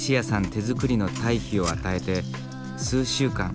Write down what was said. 手作りの堆肥を与えて数週間。